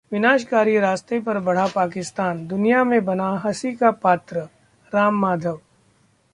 विनाशकारी रास्ते पर बढ़ा पाकिस्तान, दुनिया में बना हंसी का पात्र: राम माधव